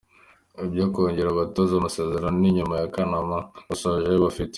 Ibyo kongerera abatoza amasezerano ni nyuma ya Kanama basoje ayo bafite.